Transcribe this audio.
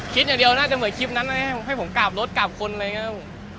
คิดอย่างเดี่ยวน่าจะเหมือนคลิปนั้นให้ผมกราบรถกราบคนอะไรเงี้ย